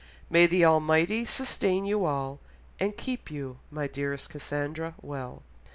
May the Almighty sustain you all, and keep you, my dearest Cassandra, well."